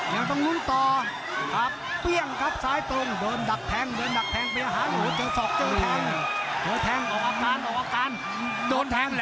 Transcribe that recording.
ฮ่าครับหลายหลายงานท้ำท่ายจะจุกสินี่ไงอยู่เลยแหละ